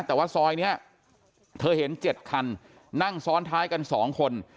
แต่ว่าซอยนี้เธอเห็น๗คันนั่งซ้อนท้ายกัน๒คน